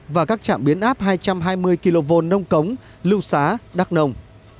và các chảm biến áp hai trăm hai mươi kv nông cống lưu xá đắc nông